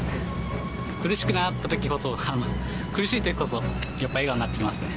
苦しくなったときほど、苦しいときこそ、やっぱ笑顔になってきますね。